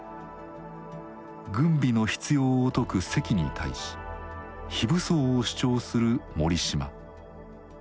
軍備の必要を説く関に対し非武装を主張する森嶋。